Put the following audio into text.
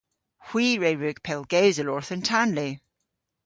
Hwi re wrug pellgewsel orth an tanlu.